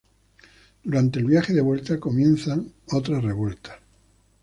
Durante el viaje de vuelta, comienzan otras revueltas.